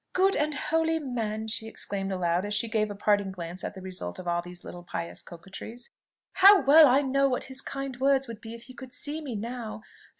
"Good and holy man!" she exclaimed aloud, as she gave a parting glance at the result of all these little pious coquetries. "How well I know what his kind words would be if he could see me now!